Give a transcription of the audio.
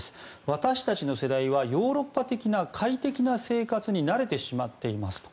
私たちの世代はヨーロッパ的な快適な生活に慣れてしまっていますと。